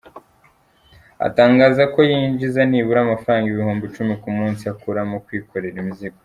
atangaza ko yinjiza nibura amafaranga ibihumbi icumi ku munsi, akura mu kwikorera imizigo.